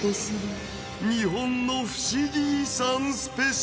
日本のふしぎ遺産スペシャル